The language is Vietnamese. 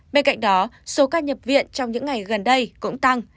bên cạnh đó số ca nhập viện trong những ngày gần đây cũng tăng